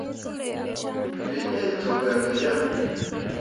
Wǝ ɗee cok gah ki yan.